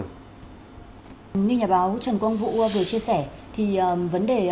như nhà báo trần quang vũ vừa chia sẻ thì vấn đề